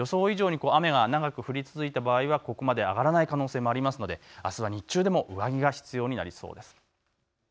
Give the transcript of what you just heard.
予想以上に雨が長く降り続いた場合はここまで上がらない可能性もあるのであすは日中でも上着が必要になりそうです。